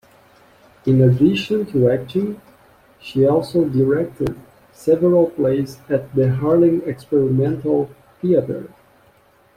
In addition to acting, she also directed several plays at the Harlem Experimental Theatre.